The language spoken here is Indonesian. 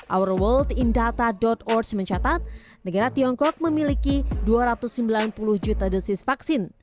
ourworldindata org mencatat negara tiongkok memiliki dua ratus sembilan puluh juta dosis vaksin